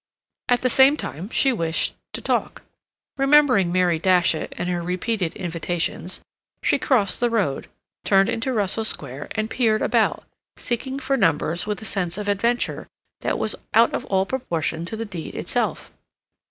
At the same time she wished to talk. Remembering Mary Datchet and her repeated invitations, she crossed the road, turned into Russell Square, and peered about, seeking for numbers with a sense of adventure that was out of all proportion to the deed itself.